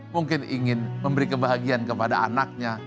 mungkin ingin memberi kebahagiaan kepada anaknya